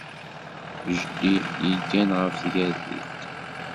Jeddi yeggan ɣef tgertilt.